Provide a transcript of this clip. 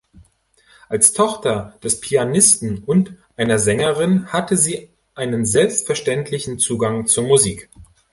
Als Tochter eines Pianisten und einer Sängerin hatte sie einen selbstverständlichen Zugang zur Musik.